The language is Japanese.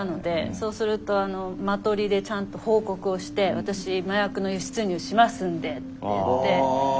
そうするとマトリでちゃんと報告をして私麻薬の輸出入しますんでって言って持って。